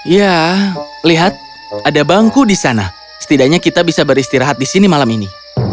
ya lihat ada bangku di sana setidaknya kita bisa beristirahat di sini malam ini